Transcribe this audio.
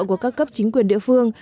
của các cấp chính quyền địa phương